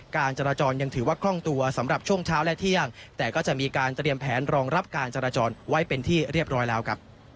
การจารจรรยังถือว่ากล้องตัวสำหรับช่วงเที่ยงแต่จะมีการจะเปรียบแผนรองรับการจารจรรยังเอง